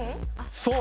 そう。